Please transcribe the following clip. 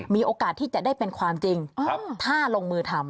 มีโอกาสที่จะได้เป็นความจริงถ้าลงมือทำ